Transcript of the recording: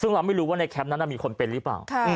ซึ่งเราไม่รู้ว่าในแคมป์นั้นมีคนเป็นหรือเปล่า